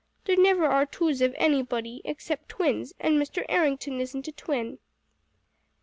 There never are twos of anybody, except twins, and Mr. Errington isn't a twin."